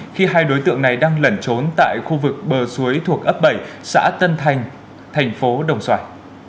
khi hai đối tượng này đang lẩn trốn tại khu vực bờ suối thuộc ấp bảy xã tân thành thành phố đồng xoài